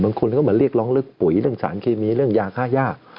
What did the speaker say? คนก็เหมือนเรียกร้องเรื่องปุ๋ยเรื่องสารเคมีเรื่องยาค่าย่า